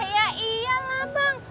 iya iyalah bang